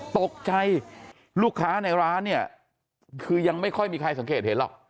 ตกใจลูกค้าในร้านเนี่ยคือยังไม่ค่อยมีใครสังเกตเห็นหรอก